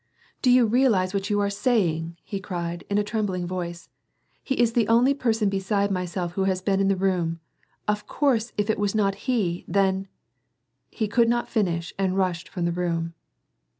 "Do you realize what you are saying/' he cried, in a trem bling voice. " He is the only person beside myself who has been in the room. Of course if it was not he, then "— He could not finish and rushed from the room.